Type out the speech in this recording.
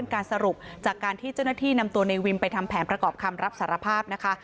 การสรุปจากการที่เจ้าหน้าที่นำตัวในวิมไปทำแผนประกอบคำรับสารภาพนะคะ